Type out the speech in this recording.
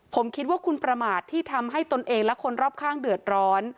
ผมคิดว่าคุณประมาทที่ทำให้ตนเองและคนรอบข้างเดือดร้อน